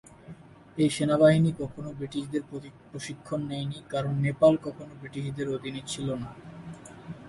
এই সেনাবাহিনী কখনো ব্রিটিশদের প্রশিক্ষণ নেয়নি কারণ নেপাল কখনো ব্রিটিশদের অধীনে ছিলোনা।